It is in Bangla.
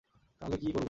তাহলে কী করবো?